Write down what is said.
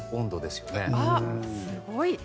すごい！